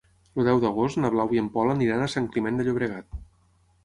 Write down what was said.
El deu d'agost na Blau i en Pol aniran a Sant Climent de Llobregat.